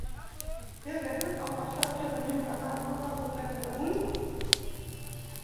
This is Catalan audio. Què venen al passatge de Yucatán número trenta-vuit?